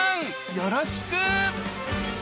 よろしく！